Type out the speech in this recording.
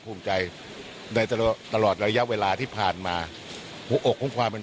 ภูมิใจในตลอดตลอดระยะเวลาที่ผ่านมาหัวอกของความเป็น